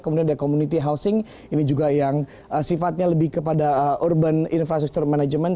kemudian ada community housing ini juga yang sifatnya lebih kepada urban infrastructure management